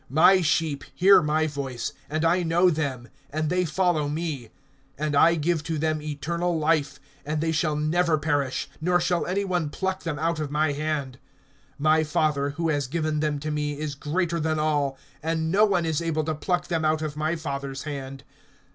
(27)My sheep hear my voice, and I know them, and they follow me; (28)and I give to them eternal life; and they shall never perish, nor shall any one pluck them out of my hand. (29)My Father, who has given them to me, is greater than all; and no one is able to pluck them out of my Father's hand.